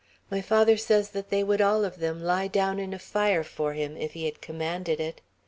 My father says that they would all of them lie down in a fire for him, if he had commanded it.